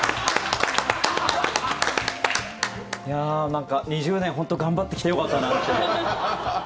なんか２０年本当に頑張ってきてよかったなって。